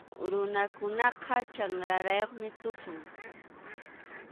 Runakunaqa chanrarayuqmi tusun.